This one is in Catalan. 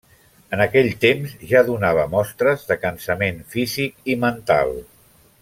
En aquell temps ja donava mostres de cansament físic i mental.